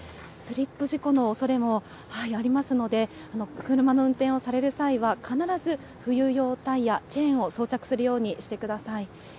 スリップ事故のおそれもありますので、車の運転をされる際は、必ず冬用タイヤ、チェーンを装着するようにしてください。